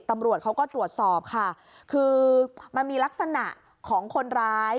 ตำรวจเขาก็ตรวจสอบค่ะคือมันมีลักษณะของคนร้าย